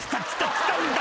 来たんだ。